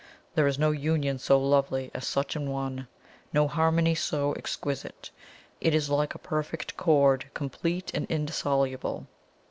There is no union so lovely as such an one no harmony so exquisite; it is like a perfect chord, complete and indissoluble.